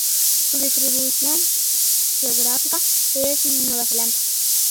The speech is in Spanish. Su distribución geográfica es Nueva Zelanda.